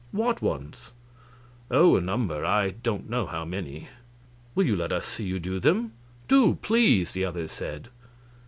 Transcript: "What ones?" "Oh, a number; I don't know how many." "Will you let us see you do them?" "Do please!" the others said.